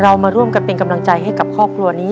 มาร่วมกันเป็นกำลังใจให้กับครอบครัวนี้